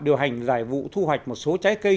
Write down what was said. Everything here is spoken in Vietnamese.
điều hành giải vụ thu hoạch một số trái cây